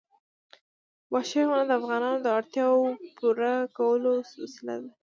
وحشي حیوانات د افغانانو د اړتیاوو د پوره کولو وسیله ده.